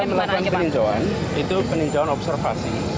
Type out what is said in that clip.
kalau tadi kita melakukan peninjauan itu peninjauan observasi